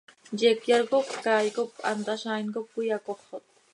Yecyar cop caay cop hant hazaain com cöiyacoxot.